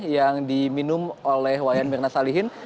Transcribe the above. yang diminum oleh wayan mirna salihin